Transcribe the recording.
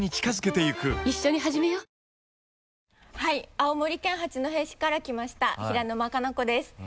青森県八戸市から来ました平沼日菜子です。